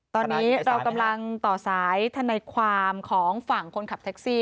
ตอนนี้เรากำลังต่อสายทนายความของฝั่งคนขับแท็กซี่